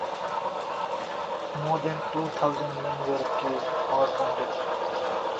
More than two thousand men were killed or wounded.